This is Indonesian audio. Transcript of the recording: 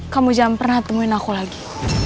kamu jangan pernah temuin aku lagi